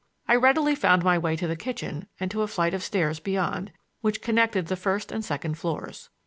I readily found my way to the kitchen and to a flight of stairs beyond, which connected the first and second floors.